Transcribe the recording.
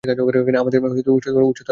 আমাদের উচ্চতার প্রয়োজন।